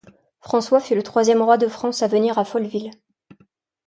François fut le troisième roi de France à venir à Folleville.